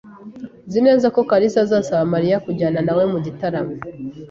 Nzi neza ko kalisa azasaba Mariya kujyana nawe mu gitaramo.